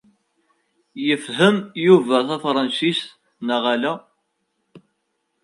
Ifehhem Yuba tafṛansist neɣ ala?